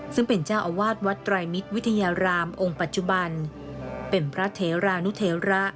ซึ่งเป็นเจ้าอาวาสวัดไตรมิตรวิทยารามองค์ปัจจุบันเป็นพระเทรานุเทระ